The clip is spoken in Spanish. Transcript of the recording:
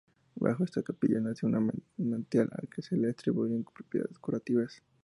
Bajo esta capilla nace un manantial al que se le atribuyen propiedades curativas.